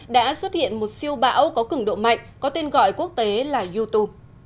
đã xuất hiện một siêu bão có cứng độ mạnh có tên gọi quốc tế là yutu